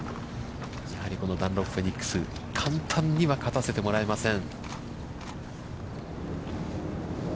このダンロップフェニックス、簡単には勝たせてもらえません。